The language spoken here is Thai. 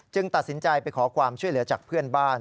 ตัดสินใจไปขอความช่วยเหลือจากเพื่อนบ้าน